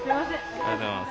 ありがとうございます。